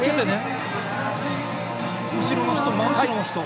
後ろの人、真後ろの人。